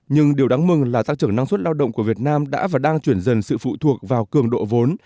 nhưng điều đáng mừng là tăng trưởng năng suất lao động của việt nam đã và đang chuyển dần sự phụ thuộc vào cường độ vốn